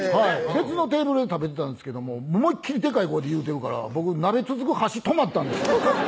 別のテーブルで食べてたんですけども思いっきりでかい声で言うてるから僕鍋つつく箸止まったんです